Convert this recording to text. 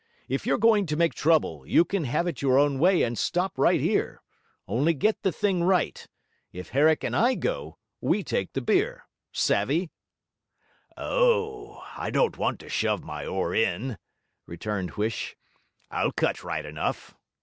If you're going to make trouble, you can have it your own way and stop right here. Only get the thing right: if Herrick and I go, we take the beer. Savvy?' 'Oh, I don't want to shove my oar in,' returned Huish. 'I'll cut right enough.